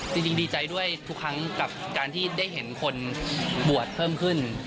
ดีใจด้วยทุกครั้งกับการที่ได้เห็นคนบวชเพิ่มขึ้น